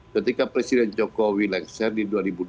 ketika presiden jokowi lengser di dua ribu dua puluh